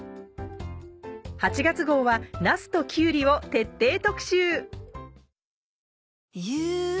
８月号はなすときゅうりを徹底特集。